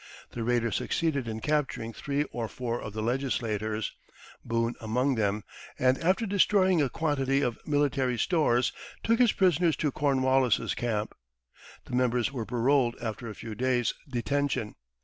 The raider succeeded in capturing three or four of the legislators, Boone among them, and after destroying a quantity of military stores took his prisoners to Cornwallis's camp. The members were paroled after a few days' detention.